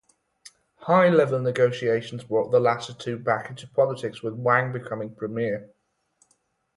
High level negotiations brought the latter two back into politics with Wang becoming premier.